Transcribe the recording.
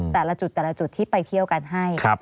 แต่ละจุดแต่ละจุดที่ไปเที่ยวกันให้